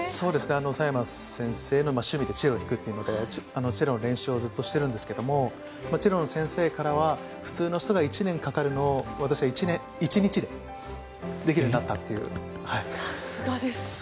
佐山先生の趣味でチェロを弾くというのでチェロの練習をずっとしているんですがチェロの先生からは普通の人が１年かかるのを私は１日でできるようになったという。